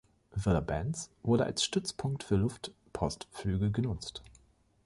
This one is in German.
Villa Bens wurde als Stützpunkt für Luftpostflüge genutzt.